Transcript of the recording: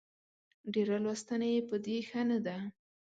ډېره لوستنه يې په دې ښه نه ده